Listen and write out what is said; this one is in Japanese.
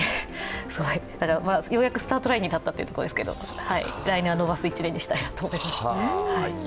ようやくスタートラインに立ったということですけど来年は伸ばす１年にしたいと思います。